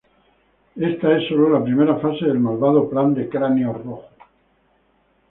Esta es solo la primera fase del malvado plan de Cráneo Rojo.